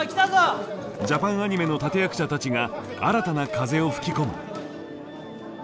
ジャパンアニメの立て役者たちが新たな風を吹き込む。